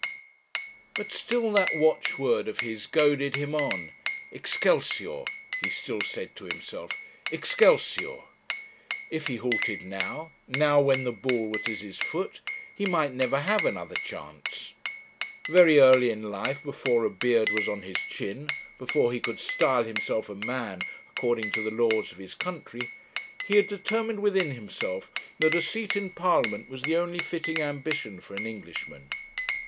But still that watchword of his goaded him on 'Excelsior!' he still said to himself; 'Excelsior!' If he halted now, now when the ball was at his foot, he might never have another chance. Very early in life before a beard was on his chin, before he could style himself a man according to the laws of his country, he had determined within himself that a seat in Parliament was the only fitting ambition for an Englishman.